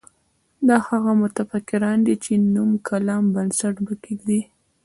دا هغه متفکران دي چې نوي کلام بنسټ به کېږدي.